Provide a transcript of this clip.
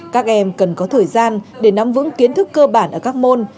các em cần có thời gian để nắm vững kiến thức cơ bản ở các môn